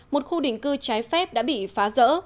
một khu định cư trái phép đã bị phá rỡ